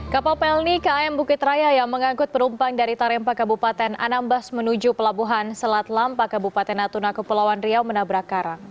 kapal pelni km bukit raya yang mengangkut penumpang dari tarempa kabupaten anambas menuju pelabuhan selat lampa kabupaten natuna kepulauan riau menabrak karang